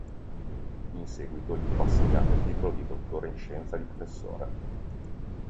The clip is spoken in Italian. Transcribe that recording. In seguito, gli fu assegnato il titolo di dottore in scienza e di professore.